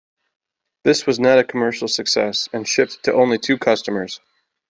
This was not a commercial success and shipped to only two customers.